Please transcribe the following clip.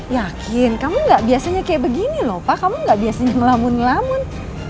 yakin kamu gak biasanya kayak begini lho pak kamu gak biasanya melamun melamun